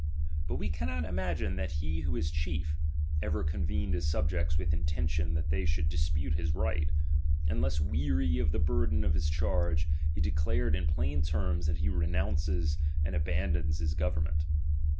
But we cannot imagine "that he who is chief, ever convened his subjects "^vith intention that they should dispute his right ; ^□nless weary of the burthen of his charge, he de <::lared in plain terms that he renounces and abandons his government.